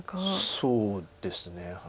そうですね。